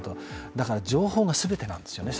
だから、情報が全てなんですよね。